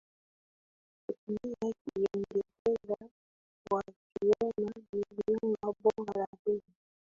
kutumia Kiingereza wakiona ni lugha bora Lakini